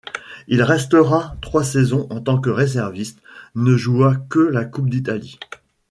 Il restera trois saisons en tant que réserviste, ne jouant que la Coupe d'Italie.